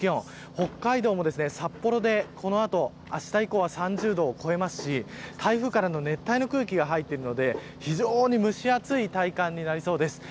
北海道も札幌でこの後あした以降は３０度を超えますし台風からの熱帯の空気が入っているので非常に蒸し暑い体感になりそうです。